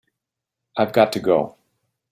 I've got to go.